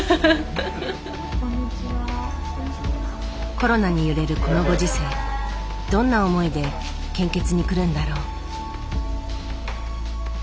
コロナに揺れるこのご時世どんな思いで献血に来るんだろう。